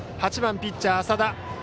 ８番ピッチャー、麻田。